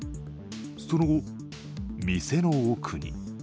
その後、店の奥に。